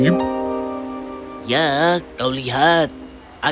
ya kau lihat aku memilih seorang istri yang tidak memiliki ratu